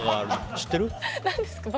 知ってる？